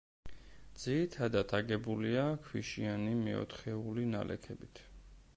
ძირითადად აგებულია ქვიშიანი მეოთხეული ნალექებით.